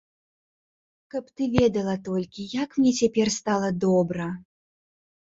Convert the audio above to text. Каб ты ведала толькі, як мне цяпер стала добра!